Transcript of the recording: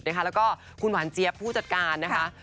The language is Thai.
แล้วก็คุณหวานเจี๊ยบผู้จัดการนะคะ